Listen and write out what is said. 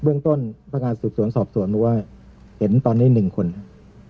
เรื่องต้นพนักงานสืบสวนสอบสวนว่าเห็นตอนนี้๑คนครับ